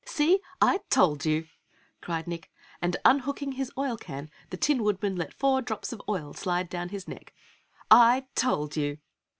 "See! I told you!" cried Nick, and unhooking his oil can the Tin Woodman let four drops of oil slide down his neck. "I told you!"